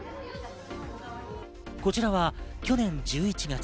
こちらは去年１１月。